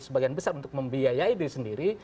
sebagian besar untuk membiayai diri sendiri